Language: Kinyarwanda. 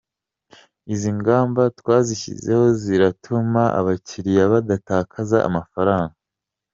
Izi ngamba twashyizeho ziratuma abakiliya badatakaza amafaranga.